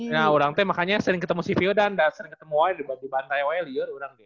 nah orang itu makanya sering ketemu si ciyo dan sering ketemu wai di bantai wai liur orang itu